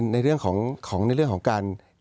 ในเรื่องของการ